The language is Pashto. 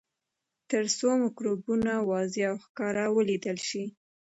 تر څو مکروبونه واضح او ښکاره ولیدل شي.